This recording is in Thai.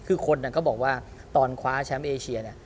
คือคนก็บอกว่าตอนคว้าแชมป์เอเชียเนี่ย